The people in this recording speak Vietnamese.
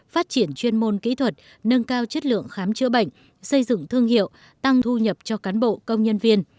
phát triển chuyên môn kỹ thuật nâng cao chất lượng khám chữa bệnh xây dựng thương hiệu tăng thu nhập cho cán bộ công nhân viên